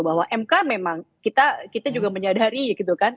bahwa mk memang kita juga menyadari gitu kan